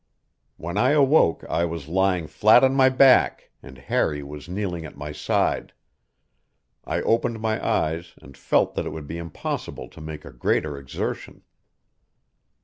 When I awoke I was lying flat on my back, and Harry was kneeling at my side. I opened my eyes, and felt that it would be impossible to make a greater exertion.